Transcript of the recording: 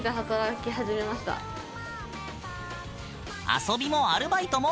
遊びもアルバイトも原宿。